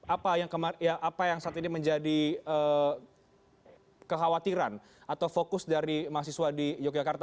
apa yang saat ini menjadi kekhawatiran atau fokus dari mahasiswa di yogyakarta